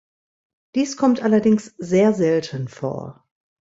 Dies kommt allerdings sehr selten vor.